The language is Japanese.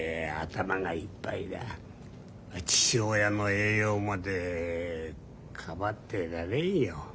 父親の栄養まで構ってられんよ。